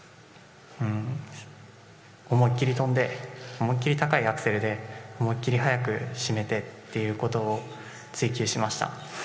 思い切り跳んで思い切り高いアクセルで締めてっていうことを追求しました。